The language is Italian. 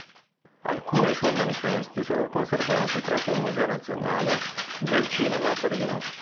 Alcuni suoi manifesti sono conservati presso il Museo nazionale del cinema a Torino.